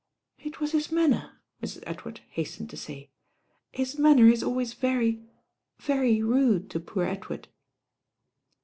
It was hit manner," Mn. Edward hastened to •ay. His manner is always very— very rude to poor Edward."